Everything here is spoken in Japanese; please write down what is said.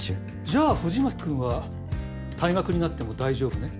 じゃあ藤巻君は退学になっても大丈夫ね？